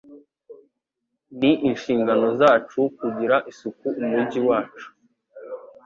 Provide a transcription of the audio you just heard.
Ni inshingano zacu kugira isuku umujyi wacu.